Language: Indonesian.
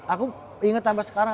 aku inget tambah sekarang